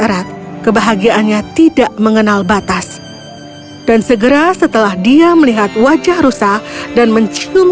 erat kebahagiaannya tidak mengenal batas dan segera setelah dia melihat wajah rusa dan mencium